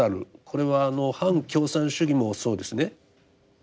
これは反共産主義もそうですね。